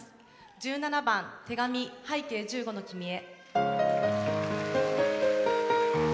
１７番「手紙拝啓十五の君へ」。